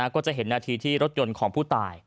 ก็จะเห็นนาทีที่รถยนต์ของผู้ตาย